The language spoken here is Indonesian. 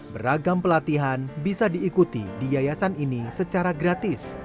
beragam pelatihan bisa diikuti di yayasan ini secara gratis